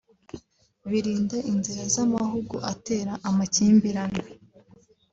birinda inzira z’amahugu atera amakimbirane